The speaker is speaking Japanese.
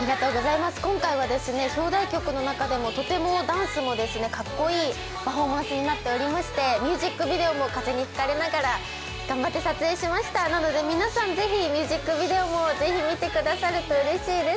今回は表題曲の中でもダンスもかっこいい曲となっていましてミュージックビデオも風に吹かれながら頑張って撮影しましたので、皆さん、ぜひミュージックビデオもみてくださるとうれしいです。